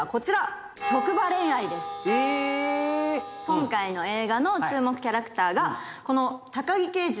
今回の映画の注目キャラクターがこの。